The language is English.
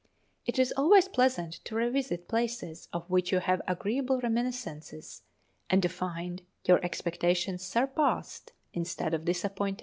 It is always pleasant to revisit places of which you have agreeable reminiscences, and to find your expectations surpassed instead of disappointed.